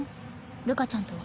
るかちゃんとは。